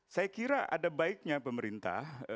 saya kira ada baiknya pemerintah